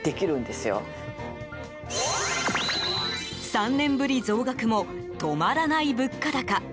３年ぶり増額も止まらない物価高。